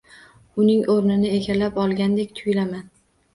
Uning oʻrnini egallab olgandek tuyulaman.